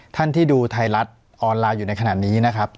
ท่านที่ดูไทยรัฐออนไลน์อยู่ในขณะนี้นะครับ